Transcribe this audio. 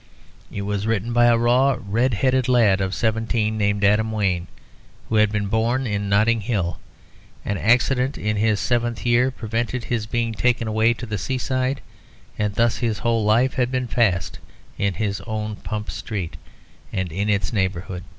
It was written by a raw, red headed lad of seventeen, named Adam Wayne, who had been born in Notting Hill. An accident in his seventh year prevented his being taken away to the seaside, and thus his whole life had been passed in his own Pump Street, and in its neighbourhood.